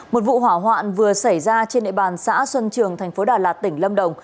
một vụ hỏa hoạn vừa xảy ra trên địa bàn xã xuân trường thành phố đà lạt tỉnh lâm đồng